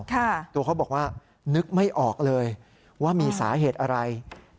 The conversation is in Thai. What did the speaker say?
ตัวเขาบอกว่านึกไม่ออกเลยว่ามีสาเหตุอะไร